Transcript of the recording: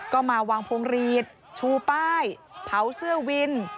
ก็มาวางพวงหลีดชูป้ายเผาเสื้อวิน